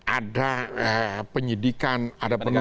ada penyidikan ada penuntutan